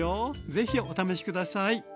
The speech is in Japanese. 是非お試し下さい。